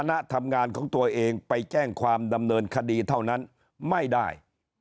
ณทำงานของตัวเองไปแจ้งความดำเนินคดีเท่านั้นไม่ได้